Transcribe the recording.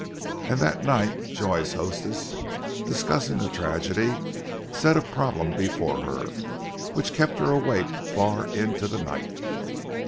And that night Joy's hostess, discussing the tragedy, set a problem before her, which kept her awake far into the night.